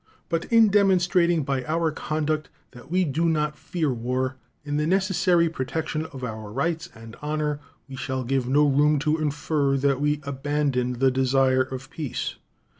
But in demonstrating by our conduct that we do not fear war in the necessary protection of our rights and honor we shall give no room to infer that we abandon the desire of peace.